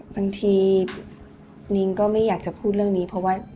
บางทีนิ้งก็ไม่อยากจะพูดเรื่องนี้เพราะว่า